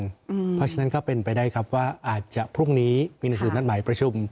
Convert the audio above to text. เพราะฉะนั้นก็เป็นไปได้ครับว่าอาจจะพรุ่งนี้มีหนังสือนัดหมายประชุม